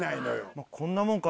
まあこんなもんか。